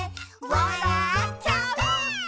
「わらっちゃう」